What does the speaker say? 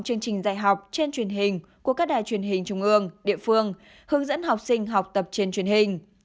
chương trình dạy học trên truyền hình của các đài truyền hình trung ương địa phương hướng dẫn học sinh học tập trên truyền hình